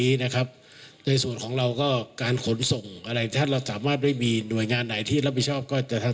พี่น้องศึบนชน